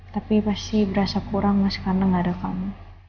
tapi pasti berasa kurang mas karena nggak ada kamu